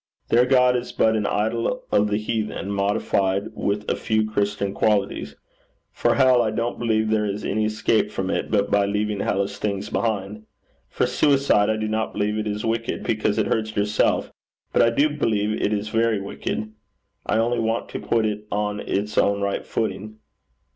Their God is but an idol of the heathen, modified with a few Christian qualities. For hell, I don't believe there is any escape from it but by leaving hellish things behind. For suicide, I do not believe it is wicked because it hurts yourself, but I do believe it is very wicked. I only want to put it on its own right footing.'